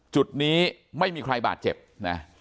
จุดนี้ไม่มีใครบาดเจ็บนะ